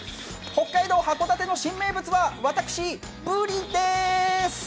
北海道・函館の新名物は、私、ブリでーす。